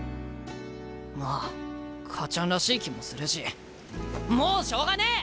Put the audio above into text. まあ母ちゃんらしい気もするしもうしょうがねえ！